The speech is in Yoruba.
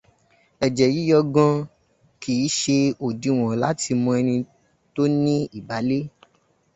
Ẹ̀jẹ̀ yíyọ gan kìí ṣe odìwọn láti mọ ẹni tó ní ìbálé.